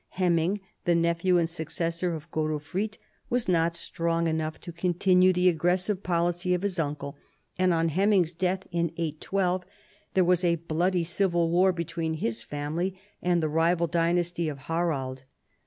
Hemming, the nephew and successor of Godofrid, was not strong 278 CHARLEMAGNE. enough to continue the aggressive policy of his uncle, and on llemming's death (812) there was a bloody civil war between his family and the rival dynasty of Harald.